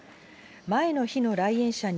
前の日の来園者に、